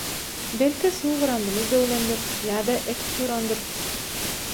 belki suw grandymyz döwlendir ýa-da et gutarandyr...